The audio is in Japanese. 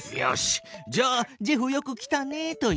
じゃあ「ジェフよく来たね」と言う。